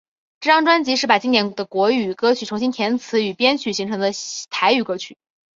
这张专辑是把经典的国语歌曲重新填词与编曲成新的台语歌曲。